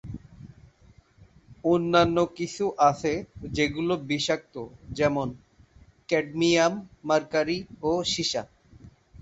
অন্যান্য কিছু আছে যেগুলো বিষাক্ত যেমন- ক্যাডমিয়াম, মার্কারি ও সীসা।